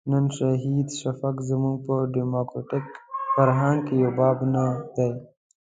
نن شهید شفیق زموږ په ډیموکراتیک فرهنګ کې یو باب نه دی.